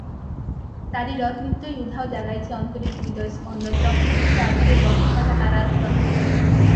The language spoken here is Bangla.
তারি রথ নিত্যই উধাও জাগাইছে অন্তরীক্ষে হৃদয়স্পন্দন, চক্রে-পিষ্ট আঁধারের বক্ষফাটা তারার ক্রন্দন।